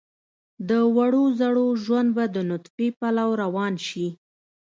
د وړو زړو ژوند به د نطفې پلو روان شي.